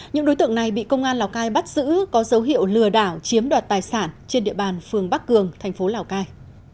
những đối tượng này bị công an lào cai bắt giữ có dấu hiệu lừa đảo chiếm đoạt tài sản trên địa bàn phường bắc cường thành phố lào cai